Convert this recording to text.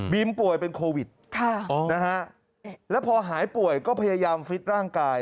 ป่วยเป็นโควิดนะฮะแล้วพอหายป่วยก็พยายามฟิตร่างกาย